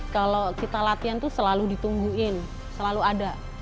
kalau kita latihan itu selalu ditungguin selalu ada